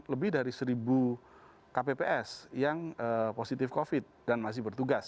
jadi kita sudah mencari sekitar sepuluh kpps yang positif covid dan masih bertugas